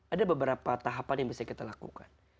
ada beberapa tahapan yang bisa kita lakukan